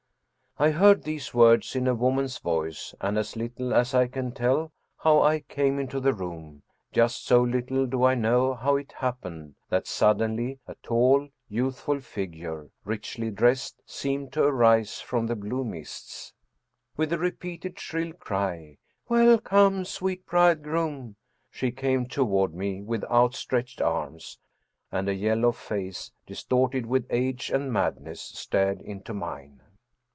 I heard these words in a woman's voice, and as little as I can tell, how I came into the room, just so little do I know how it happened that suddenly a tall, youthful figure, richly dressed, seemed to arise from the blue mists. With the repeated shrill cry: "Welcome, sweet bridegroom!" she came toward me with outstretched arms and a yellow face, distorted with age and madness, stared into mine!